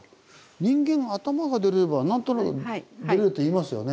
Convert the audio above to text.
人間頭が出れば何となく出れるって言いますよね。